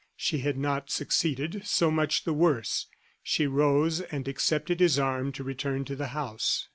She had not succeeded; so much the worse. She rose and accepted his arm to return to the house.